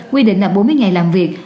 quy định là bốn mươi ngày làm việc